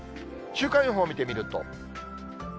週間予報見てみると。